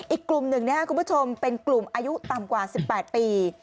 อีกกลุ่มหนึ่งนะครับคุณผู้ชมเป็นกลุ่มอายุต่ำกว่า๑๘ปี